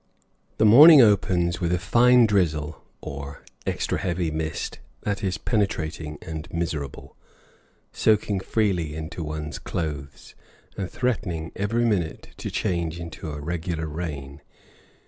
The morning opens with a fine drizzle or extra heavy mist that is penetrating and miserable, soaking freely into one's clothes, and threatening every minute to change into a regular rain.